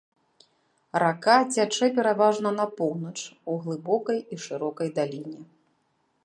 Рака цячэ пераважна на поўнач у глыбокай і шырокай даліне.